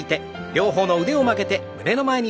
両方の腕を曲げて胸の前に。